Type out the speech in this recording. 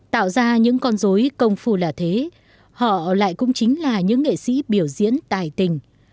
tạo ra những con dối công phu là thế họ lại cũng chính là những nghệ sĩ biểu diễn tài tình